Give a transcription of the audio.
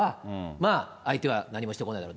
まあ、相手は何もしてこないだろう。